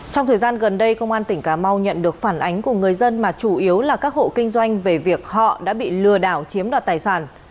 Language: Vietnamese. trong thời gian gần đây công an tỉnh cà mau nhận được phản ánh của người dân mà chủ yếu là các hộ kinh doanh về việc họ đã bị lừa đảo chiếm đoạt tài sản